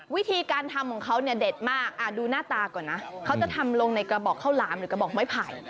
วิธีการทำของเขาเนี่ยเด็ดมากดูหน้าตาก่อนนะเขาจะทำลงในกระบอกข้าวหลามหรือกระบอกไม้ไผ่